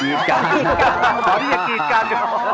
อ๋อที่จะกรีดกัน